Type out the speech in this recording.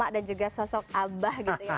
gak pernah juga sosok abah gitu ya